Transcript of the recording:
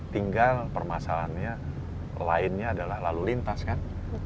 tinggal permasalahannya lainnya adalah lalu lintas kan